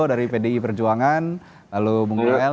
dari pdi perjuangan lalu ibu ngoel